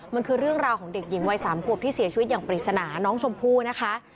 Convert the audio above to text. มันคือเรื่องราวของเด็กหญิงวัย๓ขวบที่เสียชีวิตอย่างปริศนาน้องชมพู่นะคะ